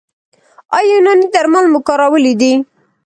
ایا یوناني درمل مو کارولي دي؟